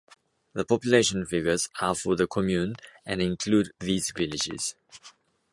The population figures are for the commune and include these villages.